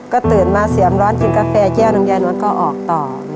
ก็ตื่นมาเสียงร้อนกินกาแฟแก้วหนึ่งยายนวดก็ออกต่อ